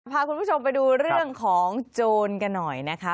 พาคุณผู้ชมไปดูเรื่องของโจรกันหน่อยนะคะ